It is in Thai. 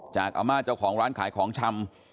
อาม่าเจ้าของร้านขายของชำ